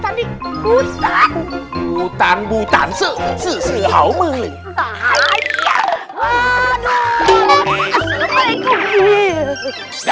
keping aku cuman jawab pertanyaannya gitu aja nggak lebih lagian kamu juga